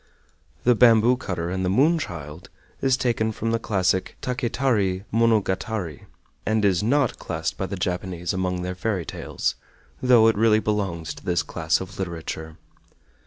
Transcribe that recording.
"The Bamboo cutter and the Moon child" is taken from the classic "Taketari Monogatari," and is NOT classed by the Japanese among their fairy tales, though it really belongs to this class of literature.